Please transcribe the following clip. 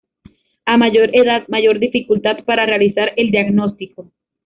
A mayor edad, mayor dificultad para realizar el diagnóstico.